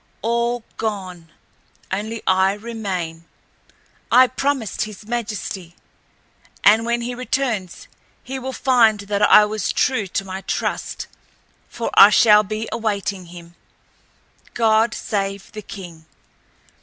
All gone—only I remain. I promised his majesty, and when he returns he will find that I was true to my trust, for I shall be awaiting him. God save the King!"